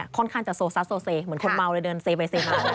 ค่อนข้างจะโซซัสโซเซเหมือนคนเมาเลยเดินเซไปเซมา